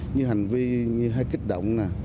như hành vi hay kích động